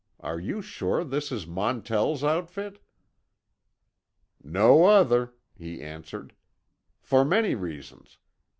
Are you sure this is Montell's outfit?" "No other," he answered. "For many reasons.